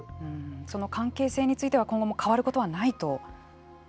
その関係性については今後も変わることはないと？